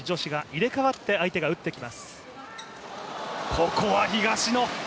ここは東野！